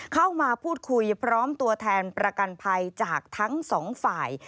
เข้ามาพูดคุยพร้อมตัวแทนประกันภัยจากทั้งสองฝ่าย